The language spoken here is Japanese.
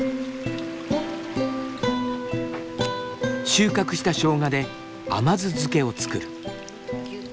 収穫したしょうがで甘酢漬けを作る。